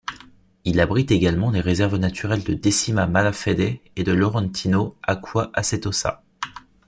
Il abrite également les réserves naturelles de Decima Malafede et Laurentino-Acqua Acetosa.